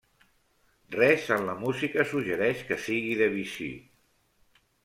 Res en la música suggereix que sigui Debussy.